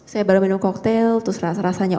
saya baru minum koktel terus rasanya